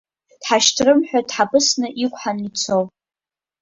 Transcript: Дҳашьҭрым ҳәа дҳаԥысны иқәҳан ицо.